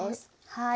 はい。